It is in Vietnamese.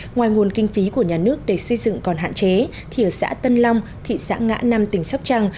ngoài nguồn kinh phí của nhà nước để xây dựng còn hạn chế thì ở xã tân long thị xã ngã năm tỉnh sóc trăng